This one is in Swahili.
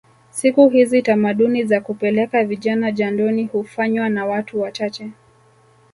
Siku hizi tamaduni za kupeleka vijana jandoni hufanywa na watu wachache